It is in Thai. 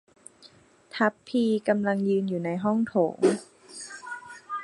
ทัพพี่กำลังยืนอยู่ในห้องโถง